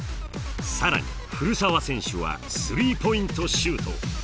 更に古澤選手はスリーポイントシュート。